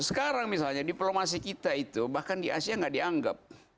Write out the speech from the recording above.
sekarang misalnya diplomasi kita itu bahkan di asia nggak dianggap